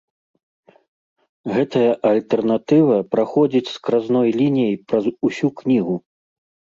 Гэтая альтэрнатыва праходзіць скразной лініяй праз усю кнігу.